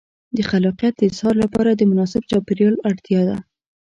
د خلاقیت د اظهار لپاره د مناسب چاپېریال اړتیا ده.